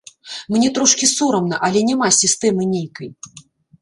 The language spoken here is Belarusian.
Мне трошкі сорамна, але няма сістэмы нейкай.